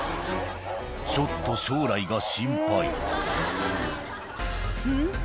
ちょっと将来が心配うん？